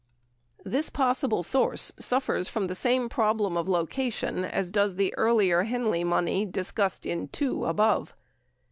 This possible source suffers from the same problem of location as does the earlier Henley money discussed in (2) above.